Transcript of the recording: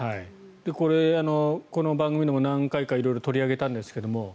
これ、この番組でも何回か取り上げたんですが